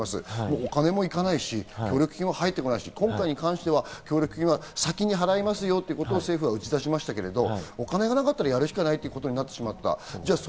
お金もいかないし、協力金も入ってこないし、今回に関しては協力金は先に払いますよということを政府が打ち出しましたけど、お金がなかったら、やるしかないということになってしまった。